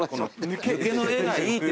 抜けの絵がいいって。